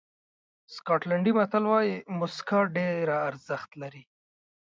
سکاټلېنډي متل وایي موسکا ډېره ارزښت لري.